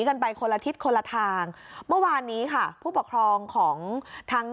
กันไปคนละทิศคนละทางเมื่อวานนี้ค่ะผู้ปกครองของทั้ง